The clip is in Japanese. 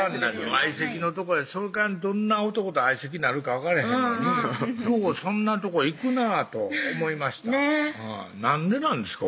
相席のとこへその代わりどんな男と相席なるか分かれへんのにようそんなとこへ行くなぁと思いましたなんでなんですか？